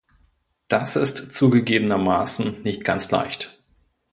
Das ist zugegebenermaßen nicht ganz leicht.